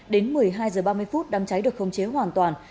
đến một mươi hai h ba mươi đám cháy được khống chế hoàn toàn